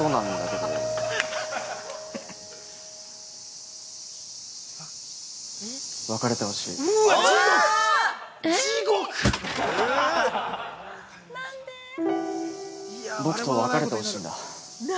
僕と別れてほしいんだ。